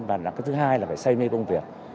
và thứ hai là phải say mê công việc